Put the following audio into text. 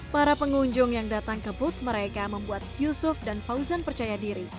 para pengunjung yang datang ke booth mereka membuat yusuf dan fauzan percaya diri